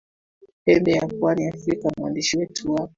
pembe ya pwani afrika mwandishi wetu wa